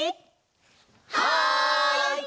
はい！